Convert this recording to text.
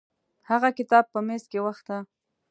هغه کتاب په میز کې وخته.